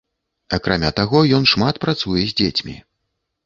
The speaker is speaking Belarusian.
Акрамя таго, ён шмат працуе з дзецьмі.